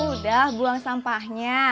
udah buang sampahnya